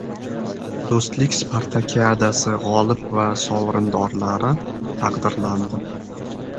“Do‘stlik spartakiadasi” g‘olib va sovrindorlari taqdirlandi